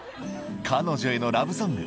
「彼女へのラブソング